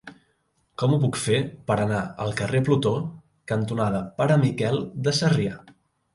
Com ho puc fer per anar al carrer Plutó cantonada Pare Miquel de Sarrià?